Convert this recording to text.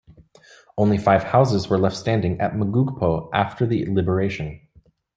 Only five houses were left standing at Magugpo after the liberation.